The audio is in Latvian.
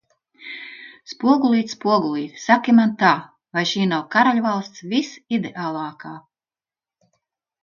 Spogulīt, spogulīt, saki man tā, vai šī nav karaļvalsts visideālākā?